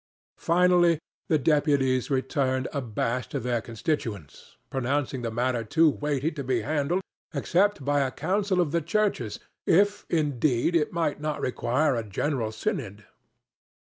Finally, the deputies returned abashed to their constituents, pronouncing the matter too weighty to be handled except by a council of the churches, if, indeed, it might not require a General Synod.